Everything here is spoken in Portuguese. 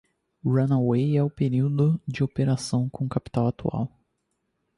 Runway é o período de operação com o capital atual.